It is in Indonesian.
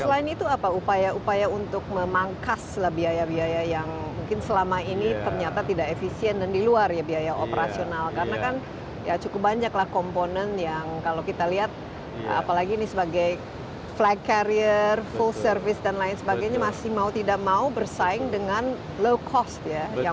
selain itu apa upaya upaya untuk memangkas biaya biaya yang mungkin selama ini ternyata tidak efisien dan di luar biaya operasional karena kan cukup banyaklah komponen yang kalau kita lihat apalagi ini sebagai flag carrier full service dan lain sebagainya masih mau tidak mau bersaing dengan low cost ya